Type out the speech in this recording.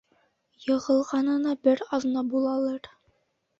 Йығылғанына бер аҙна булалыр.